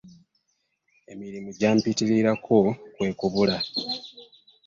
Emirimu gyampitirirako kwe kubula.